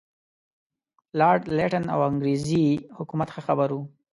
لارډ لیټن او انګریزي حکومت ښه خبر وو.